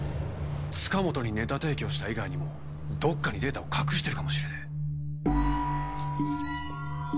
塚本にネタ提供した以外にもどっかにデータを隠してるかもしれねえ。